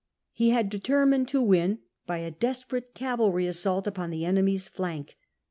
286 POMPEY He had determined to win by a desperate cavalry assault upon the enemy's flank.